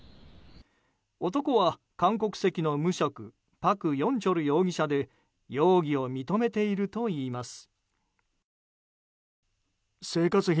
男は韓国籍の無職パク・ヨンチョル容疑者で容疑を認めているといいます。